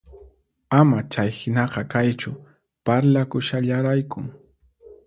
Ama chayhinaqa kaychu, parlakushallaraykun